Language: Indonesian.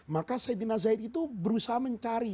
maka sayyidina zaid itu berusaha mencari